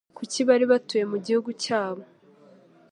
kuko bari batuye mu gihugu cyabo;